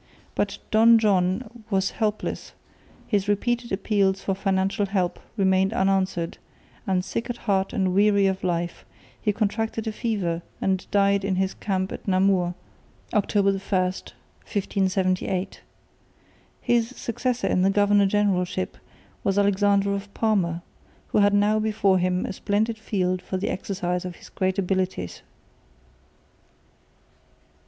But Don John was helpless, his repeated appeals for financial help remained unanswered, and, sick at heart and weary of life, he contracted a fever and died in his camp at Namur, October 1, 1578. His successor in the governor generalship was Alexander of Parma, who had now before him a splendid field for the exercise of his great abilities.